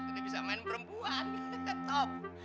gak bisa main perempuan ngantuk